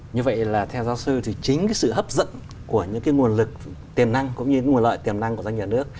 như vậy là theo giáo sư thì chính cái sự hấp dẫn của những cái nguồn lực tiềm năng cũng như nguồn lợi tiềm năng của doanh nghiệp nhà nước